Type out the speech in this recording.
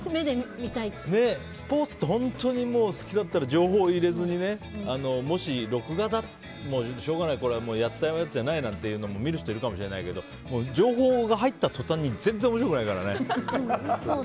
スポーツって本当に好きだったら情報を入れずにもし録画でも、しょうがないって見る人いるかもしれないけど情報が入った途端に全然面白くないからね。